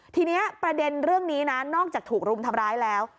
ทีนี้ประเด็นเรื่องนี้นะนอกจากถูกรุมทำร้ายแล้ว